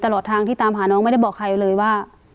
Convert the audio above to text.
ตลอดทางที่ตามหาน้องไม่ได้บอกใครเลยว่า